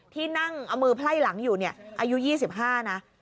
ที่นั่งเอามือไพ่หลังอยู่อายุ๒๕นะ